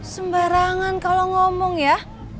sembarangan kalau ngomong ya